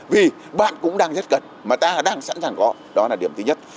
vì bạn cũng đang rất cần mà ta đang sẵn sàng gọi đó là điểm thứ nhất